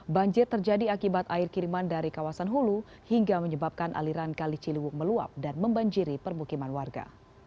banjir terjadi akibat air kiriman dari kawasan hulu hingga menyebabkan aliran kali ciliwung meluap dan membanjiri permukiman warga